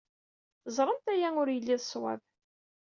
Teẓramt aya ur yelli d ṣṣwab.